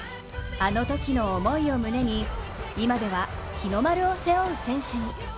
あのときの思いを胸に今では日の丸を背負う選手に。